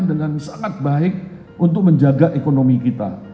dengan sangat baik untuk menjaga ekonomi kita